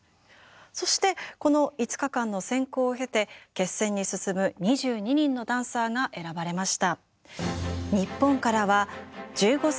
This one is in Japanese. そしてこの５日間の選考を経て決選に進む２２人のダンサーが選ばれました。